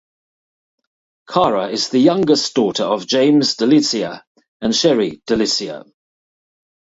Cara is the youngest daughter of James DeLizia and Sherry DeLizia.